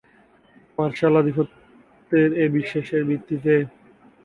Martial আধিপত্যের এই বিশ্বাসের ভিত্তিতে।